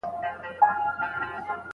مرييانو ته بايد انساني حقوق ورکړل سي.